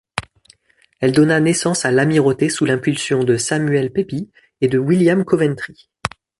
Elle donna naissance à l'Amirauté sous l'impulsion de Samuel Pepys et de William Coventry.